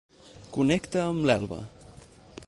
Connecta amb l'Elba.